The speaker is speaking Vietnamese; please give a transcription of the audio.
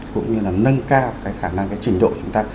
cũng như là nâng cao cái khả năng cái trình độ chúng ta